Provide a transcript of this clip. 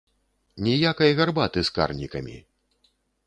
Ніякай гарбаты з карнікамі!